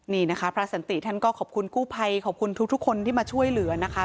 นี่นะคะพระสันติท่านก็ขอบคุณกู้ภัยขอบคุณทุกคนที่มาช่วยเหลือนะคะ